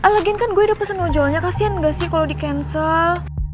lagian kan gue udah pesen ojolnya kasian gak sih kalo di cancel